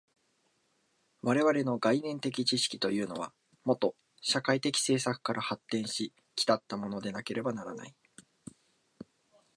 我々の概念的知識というのは、もと社会的制作から発展し来ったものでなければならない。